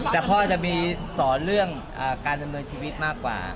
แต่พ่อจะมีสอนเรื่องการดำเนินชีวิตมากกว่า